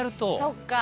そっか。